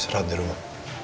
serah di rumah